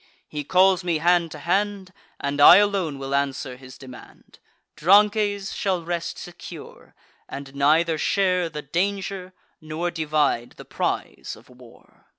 He calls me hand to hand, And I alone will answer his demand. Drances shall rest secure, and neither share The danger, nor divide the prize of war."